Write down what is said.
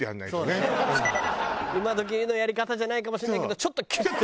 今どきのやり方じゃないかもしれないけどちょっとキュッ。